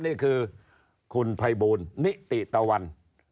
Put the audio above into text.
นี่คือคุณไพบูลภิติเตาวัญ